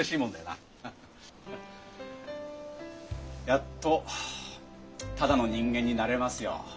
やっとただの人間になれますよ。